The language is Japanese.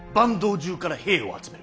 中から兵を集める。